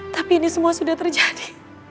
tapi ini semua sudah terjadi